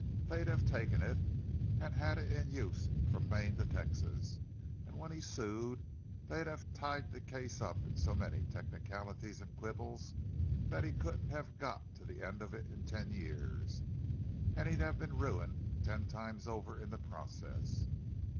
They'd have taken it and had it in use from Maine to Texas; and when he sued, they'd have tied the case up in so many technicalities and quibbles that he couldn't have got to the end of it in ten years—and he'd have been ruined ten times over in the process."